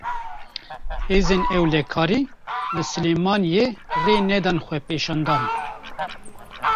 Hêzên Ewlekarî, li Silêmaniyê rê nedan xwepêşandanan